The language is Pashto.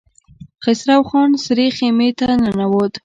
خسرو خان سرې خيمې ته ننوت.